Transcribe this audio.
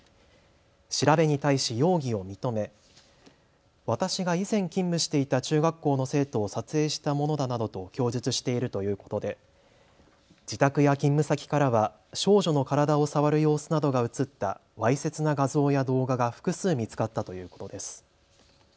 調べに対し容疑を認め私が以前勤務していた中学校の生徒を撮影したものだなどと供述しているということで自宅や勤務先からは少女の体を触る様子などが写ったわいせつな画像や動画が複数見つかったということです。